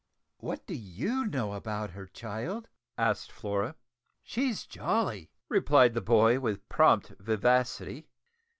"What do you know about her, child?" asked Flora. "She's jolly," replied the boy with prompt vivacity.